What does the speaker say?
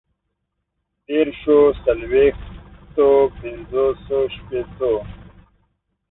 ديرشو، څلويښتو، پنځوسو، شپيتو